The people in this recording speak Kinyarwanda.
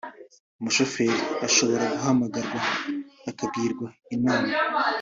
umushoferi ashobora guhamagarwa akagirwa inama